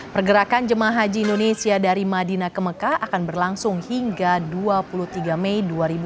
pergerakan jemaah haji indonesia dari madinah ke mekah akan berlangsung hingga dua puluh tiga mei dua ribu dua puluh